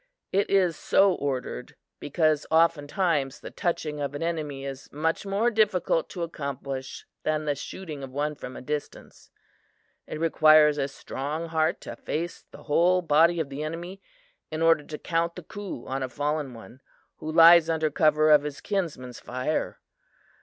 It is so ordered, because oftentimes the touching of an enemy is much more difficult to accomplish than the shooting of one from a distance. It requires a strong heart to face the whole body of the enemy, in order to count the coup on the fallen one, who lies under cover of his kinsmen's fire.